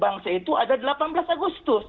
bangsa itu ada delapan belas agustus